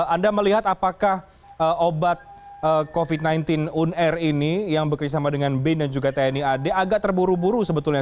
anda melihat apakah obat covid sembilan belas unr ini yang bekerjasama dengan bin dan juga tni ad agak terburu buru sebetulnya